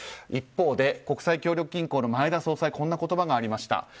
一方で、国際協力銀行の前田総裁こんな言葉がありました。